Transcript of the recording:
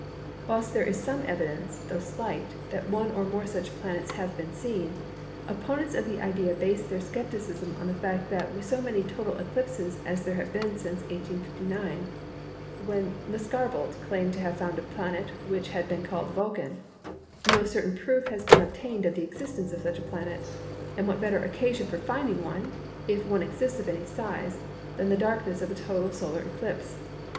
Whilst there is some evidence, though slight, that one or more such planets have been seen, opponents of the idea base their scepticism on the fact that with so many total eclipses as there have been since 1859 (when Lescarbault claimed to have found a planet which has been called "Vulcan"), no certain proof has been obtained of the existence of such a planet; and what better occasion for finding one (if one exists of any size) than the darkness of a total solar eclipse?